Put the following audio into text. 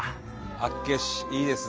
厚岸いいですね。